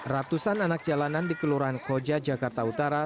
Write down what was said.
ratusan anak jalanan di kelurahan koja jakarta utara